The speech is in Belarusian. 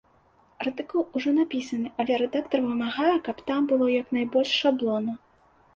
Артыкул ужо напісаны, але рэдактар вымагае, каб там было як найбольш шаблону.